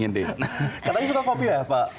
nah katanya suka kopi ya pak